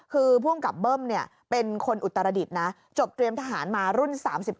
คือภูมิกับเบิ้มเป็นคนอุตรดิษฐ์นะจบเตรียมทหารมารุ่น๓๙